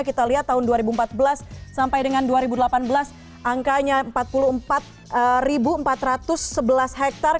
kita lihat tahun dua ribu empat belas sampai dengan dua ribu delapan belas angkanya empat puluh empat empat ratus sebelas hektare